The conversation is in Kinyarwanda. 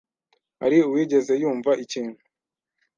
hari uwigeze yumva ikintu